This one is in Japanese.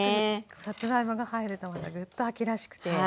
さつまいもが入るとまたグッと秋らしくて。